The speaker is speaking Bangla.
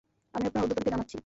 আমি আপনার উধ্বর্তনকে জানাচ্ছি।